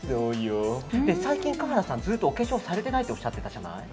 最近、華原さんずっとお化粧されてないっておっしゃってたじゃない。